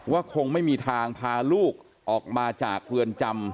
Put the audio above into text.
คงไม่มีทางพาลูกออกมาจากเรือนจำ